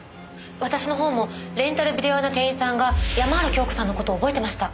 私のほうもレンタルビデオ屋の店員さんが山原京子さんの事を覚えてました。